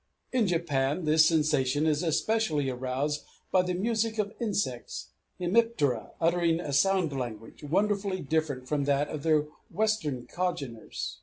In Japan this sensation is especially aroused by the music of insects, hemiptera uttering a sound language wonderfully different from that of their Western congeners.